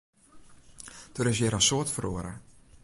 Der is hjir in soad feroare.